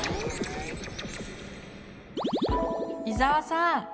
伊沢さん